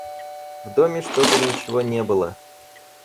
В доме чтобы ничего не было.